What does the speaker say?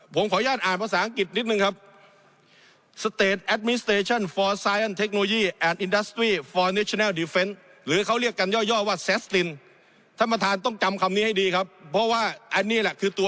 ผมขออนุญาตอ่านภาษาอังกฤษนิดหนึ่งครับสเตจแอดมินสเตรชันฟอร์ไซเย็นท์เทคโนโลยี